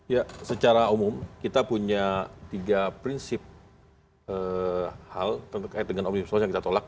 ya secara umum kita punya tiga prinsip hal terkait dengan omnibus law yang kita tolak